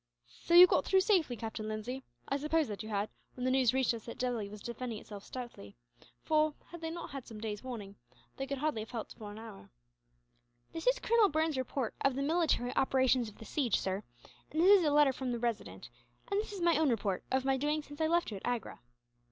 "So you got through safely, Captain Lindsay? I supposed that you had, when the news reached us that Delhi was defending itself stoutly for, had they not had some days warning, they could hardly have held out for an hour." "This is Colonel Burns's report of the military operations of the siege, sir; and this is a letter from the Resident; and this is my own report, of my doings since I left you at Agra."